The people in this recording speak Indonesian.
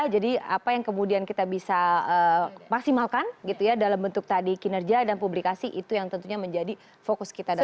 jadi apa yang kemudian kita bisa maksimalkan gitu ya dalam bentuk tadi kinerja dan publikasi itu yang tentunya menjadi fokus kita di sini